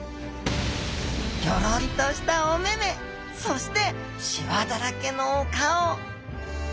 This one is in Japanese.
ギョロリとしたお目目！そしてしわだらけのお顔！